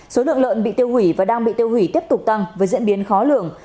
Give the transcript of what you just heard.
số lượng lợn bị tiêu hủy và đang bị tiêu hủy tiếp tục tăng với diễn biến khó lường